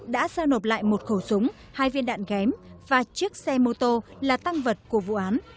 đã giao nộp lại một khẩu súng hai viên đạn ghém và chiếc xe mô tô là tăng vật của vụ án